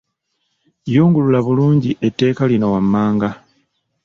Yungulula bulungi etteeka lino wammanga.